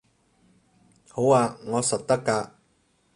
好吖，我實得㗎